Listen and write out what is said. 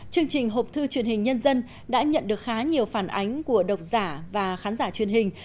chương trình hộp thư truyền hình nhân dân đã nhận được khá nhiều phản ánh của độc giả và khán giả truyền hình